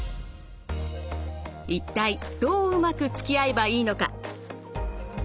一体どううまくつきあえばいいのか。